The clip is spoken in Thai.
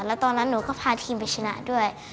แล้วตอนนั้นหนูก็พาทีมไปชนะด้วย